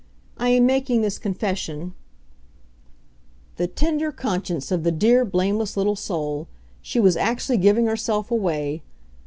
I am making this confession " The tender conscience of the dear, blameless little soul! She was actually giving herself away.